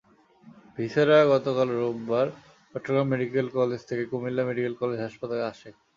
Viscera গতকাল রোববার Chittagong medical college থেকে কুমিল্লা মেডিকেল কলেজ হাসপাতালে আসে।